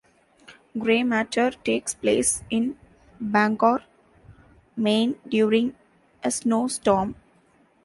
"Gray Matter" takes place in Bangor, Maine during a snow storm.